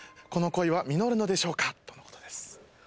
「この恋は実るのでしょうか？」とのことです